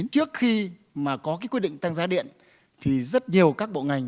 trước khi có quyết định tăng giá điện thì rất nhiều các bộ ngành